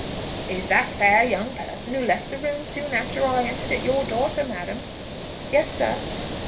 "Is that fair young person who left the room soon after I entered it your daughter, madam?" "Yes, sir."